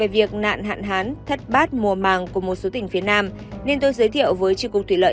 văn bản nêu rõ